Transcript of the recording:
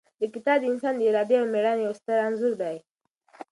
دا کتاب د انسان د ارادې او مېړانې یو ستر انځور دی.